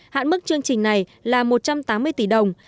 hạn mức chương trình này là một trăm tám mươi tỷ đồng